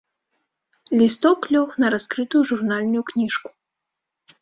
Лісток лёг на раскрытую журнальную кніжку.